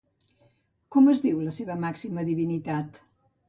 Com es diu la seva màxima divinitat?